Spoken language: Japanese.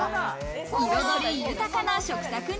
彩り豊かな食卓に。